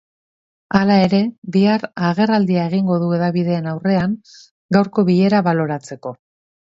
Hala ere, bihar agerraldia egingo du hedabideen aurrean gaurko bilera baloratzeko.